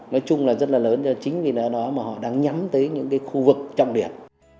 nói chung là rất là lớn cho chính vì lẽ đó mà họ đang nhắm tới những cái khu vực trọng điểm